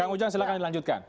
kang ujang silahkan dilanjutkan